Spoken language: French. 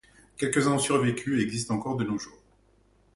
Quelques-uns ont survécu et existent encore de nos jours.